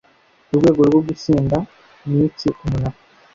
urwego rwo gusenda ni iki umunara